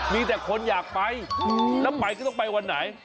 มีแต่คนอยากไปแล้วไปก็ต้องไปวันไหน